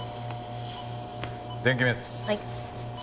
はい。